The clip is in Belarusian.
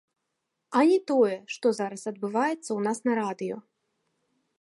А не тое, што зараз адбываецца ў нас на радыё.